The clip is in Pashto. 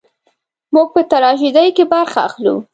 موږ په تراژیدۍ کې برخه اخلو.